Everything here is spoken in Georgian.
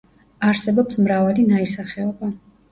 არსებობს მრავალი ნაირსახეობა.